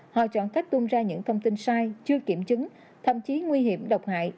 họ chọn cách tung ra những thông tin sai chưa kiểm chứng thậm chí nguy hiểm độc hại